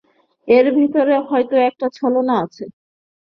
এর ভিতরে হয়তো একটা ছলনা আছে।